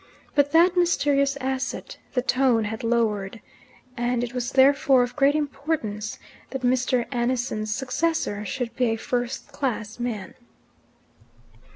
But that mysterious asset the tone had lowered, and it was therefore of great importance that Mr. Annison's successor should be a first class man.